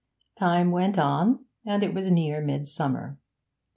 Time went on, and it was near midsummer.